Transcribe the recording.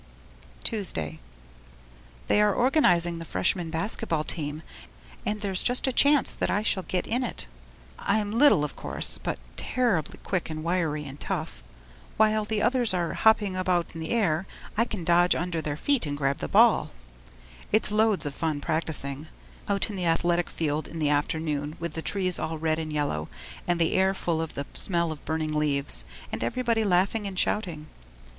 Tuesday They are organizing the Freshman basket ball team and there's just a chance that I shall get in it. I'm little of course, but terribly quick and wiry and tough. While the others are hopping about in the air, I can dodge under their feet and grab the ball. It's loads of fun practising out in the athletic field in the afternoon with the trees all red and yellow and the air full of the smell of burning leaves, and everybody laughing and shouting.